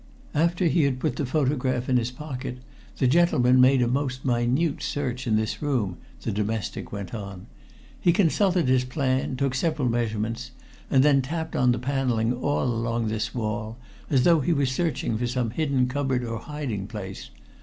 "After he had put the photograph in his pocket, the gentleman made a most minute search in this room," the domestic went on. "He consulted his plan, took several measurements, and then tapped on the paneling all along this wall, as though he were searching for some hidden cupboard or hiding place.